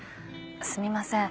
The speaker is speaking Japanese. すみません